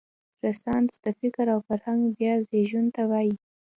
رنسانس د فکر او فرهنګ بیا زېږون ته وايي.